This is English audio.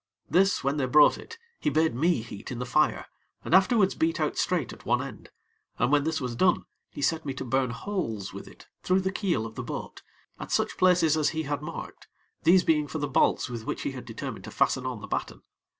This, when they brought it, he bade me heat in the fire, and afterwards beat out straight at one end, and when this was done, he set me to burn holes with it through the keel of the boat, at such places as he had marked, these being for the bolts with which he had determined to fasten on the batten.